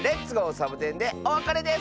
サボテン」でおわかれです！